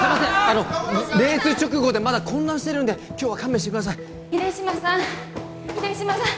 あのレース直後でまだ混乱してるんで今日は勘弁してください秀島さん秀島さん